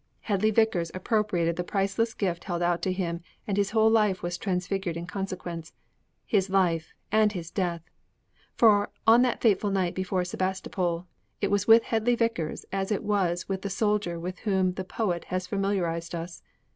Hedley Vicars appropriated the priceless gift held out to him, and his whole life was transfigured in consequence. His life and his death! For, on that fatal night before Sebastopol, it was with Hedley Vicars as it was with the soldier with whom the poet has familiarized us.